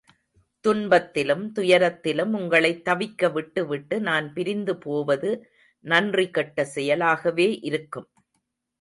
துன்பத்திலும், துயரத்திலும் உங்களைத் தவிக்க விட்டு விட்டு நான் பிரிந்து போவது நன்றி கெட்ட செயலாகவே இருக்கும்.